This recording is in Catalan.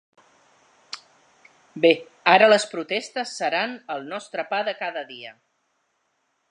Bé, ara les protestes seran el nostre pa de cada dia.